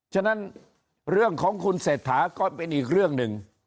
ฉะนั้นเรื่องของคุณเศรษฐาก็เป็นอีกเรื่องหนึ่ง